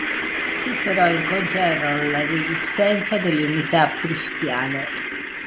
Qui però incontrarono la resistenza delle unità prussiane.